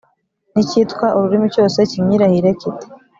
n’icyitwa ururimi cyose kinyirahire kiti